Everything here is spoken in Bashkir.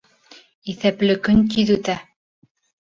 Иҫәпле көн тиҙ үтә.